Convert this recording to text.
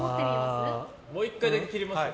もう１回だけ切れますよ。